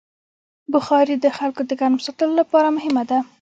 بخاري د خلکو د ګرم ساتلو لپاره مهمه ده.